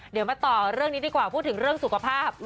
เดี๋ยวมาต่อเรื่องนี้ดีกว่าพูดถึงเรื่องสุขภาพ